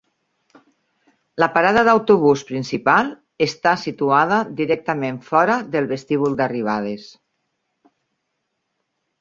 La parada d"autobús principal està situada directament fora del vestíbul d"arribades.